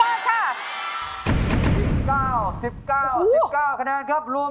แล้วไม่ใช่แค่เพียงผ่านอย่างเดียว